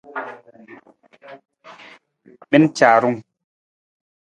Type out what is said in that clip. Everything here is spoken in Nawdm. Mi na caarung!